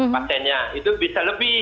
pasiennya itu bisa lebih